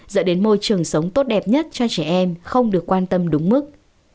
dẫn đến môi trường sống tốt đẹp nhất cho trẻ em không được quan tâm đúng mức